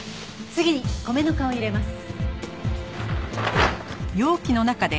次に米ぬかを入れます。